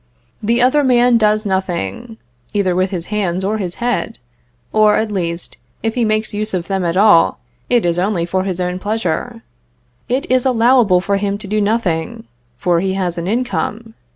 The other man does nothing, either with his hands or his head; or, at least, if he makes use of them at all, it is only for his own pleasure; it is allowable for him to do nothing, for he has an income.